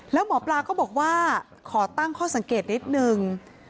แล้วหมอปลาก็บอกว่าขอตั้งข้อสังเกตนิดนึง